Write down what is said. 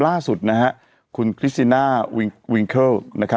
ล่าสุดคุณคริสติน่าวิงเคิล